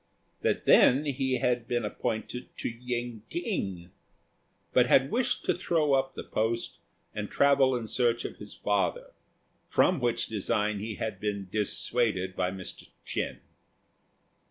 That then he had been appointed to Yen t'ing, but had wished to throw up the post and travel in search of his father, from which design he had been dissuaded by Mr. Ch'ên.